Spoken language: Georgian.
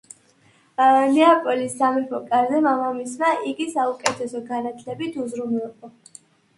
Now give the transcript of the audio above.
ნეაპოლის სამეფო კარზე, მამამისმა იგი საუკეთესო განათლებით უზრუნველყო.